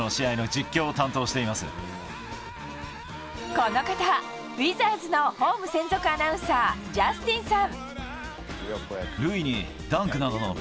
この方、ウィザーズのホーム専属アナウンサージャスティンさん。